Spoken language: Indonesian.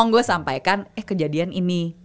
gue sampaikan eh kejadian ini